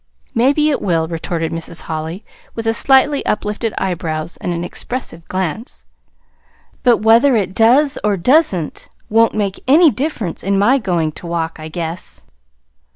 "Maybe it will," retorted Mrs. Holly, with slightly uplifted eyebrows and an expressive glance. "But whether it does or does n't won't make any difference in my going to walk, I guess."